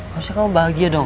maksudnya kamu bahagia dong